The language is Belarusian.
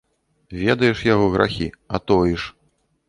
Ведаеш яго грахі, а тоіш.